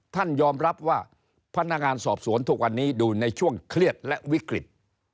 ท่านยอมรับว่าพนักงานสอบสวนทุกวันนี้ดูในช่วงเครียดและวิกฤต